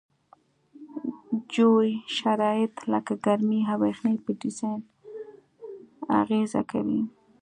جوي شرایط لکه ګرمي او یخنۍ په ډیزاین اغیزه کوي